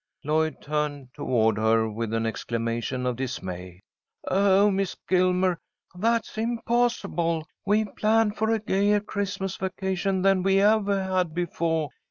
Lloyd turned toward her with an exclamation of dismay. "Oh, Miss Gilmer! That's impossible! We've planned for a gayer Christmas vacation than we've evah had befoah.